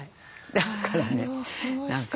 だからね何か。